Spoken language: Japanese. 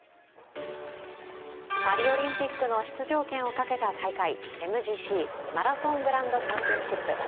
パリオリンピックへの出場権をかけた大会ＭＧＣ＝マラソングランドチャンピオンシップ。